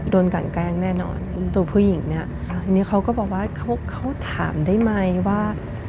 โดนกันแกล้งแน่นอนตัวผู้หญิงเนี่ยทีนี้เขาก็บอกว่าเขาเขาถามได้ไหมว่า